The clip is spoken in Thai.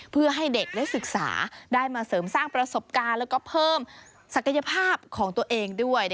เพื่อให้เด็กได้ศึกษาได้มาเสริมสร้างประสบการณ์แล้วก็เพิ่มศักยภาพของตัวเองด้วย